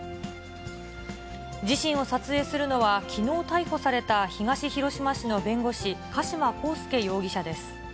自身を撮影するのはきのう逮捕された東広島市の弁護士、加島康介容疑者です。